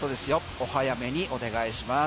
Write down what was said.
お早めにお願いします。